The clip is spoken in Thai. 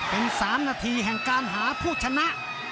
เป็น๓นาทีแห่งการหาผู้ชนะ